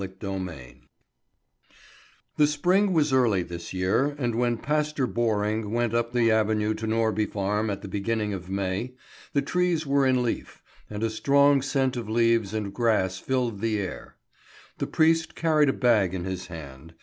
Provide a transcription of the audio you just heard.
CHAPTER IV THE spring was early this year, and when Pastor Borring went up the avenue to Norby Farm at the beginning of May, the trees were in leaf, and a strong scent of leaves and grass filled the air. The priest carried a bag in his hand.